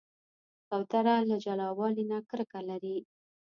کوتره له جلاوالي نه کرکه لري.